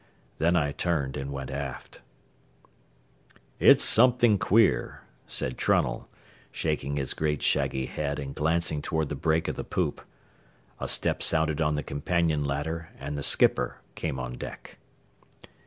Then I turned and went aft. "It's something queer," said Trunnell, shaking his great shaggy head and glancing toward the break of the poop. A step sounded on the companion ladder, and the skipper came on deck.